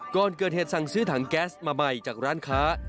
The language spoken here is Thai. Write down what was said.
ก่อนเกิดเหตุสั่งซื้อถังแก๊สมาใหม่จากร้านค้า